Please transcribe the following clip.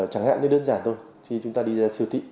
chẳng hạn như đơn giản thôi khi chúng ta đi siêu thị